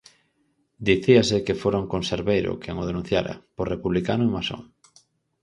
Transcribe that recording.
Dicíase que fora un conserveiro quen o denunciara, por republicano e masón.